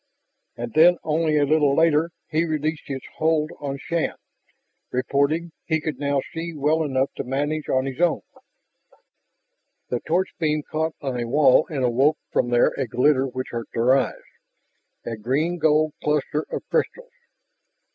And then only a little later he released his hold on Shann, reporting he could now see well enough to manage on his own. The torch beam caught on a wall and awoke from there a glitter which hurt their eyes a green gold cluster of crystals.